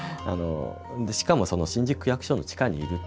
しかも新宿区役所の地下にいると。